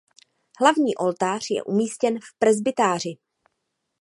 Hlavní oltář je umístěn v presbytáři.